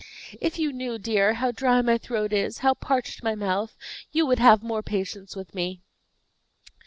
"If you knew dear, how dry my throat is, how parched my mouth, you would have more patience with me."